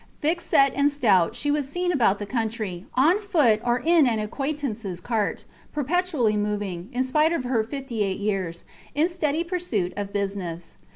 Thick set and stout, she was seen about the country, on foot or in an acquaintances cart, perpetually moving, in spite of her fifty eight years, in steady pursuit of business.